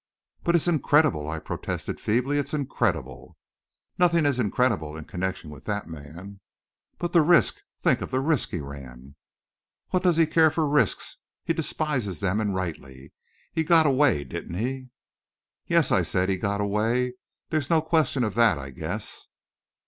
"But it's incredible!" I protested feebly. "It's incredible!" "Nothing is incredible in connection with that man!" "But the risk think of the risk he ran!" "What does he care for risks? He despises them and rightly. He got away, didn't he?" "Yes," I said, "he got away; there's no question of that, I guess."